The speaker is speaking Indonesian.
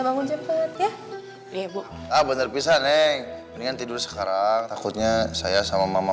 bangun cepet ya iya ibu abang terpisah neng dengan tidur sekarang takutnya saya sama mama